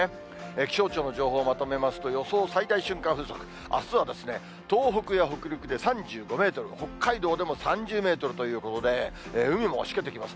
気象庁の情報をまとめますと、予想最大瞬間風速、あすは東北や北陸で３５メートル、北海道でも３０メートルという予報で、海もしけてきます。